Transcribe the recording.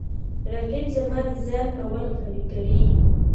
رقیب زما د ځان باور قوی کوي